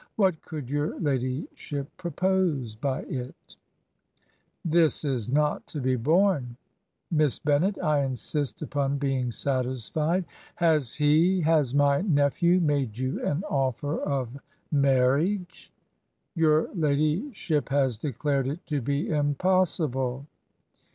What could your ladyship propose by it ?'' This is not to be borne. Miss Bennet, I insist upon being satisfied. Has he, has my nephew made you an oflfer of marriage?' ' Your lady ship has declared it to be impossible.'